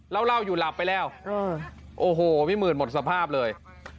เหล้าอยู่หลับไปแล้วโอ้โหพี่หมื่นหมดสภาพเลย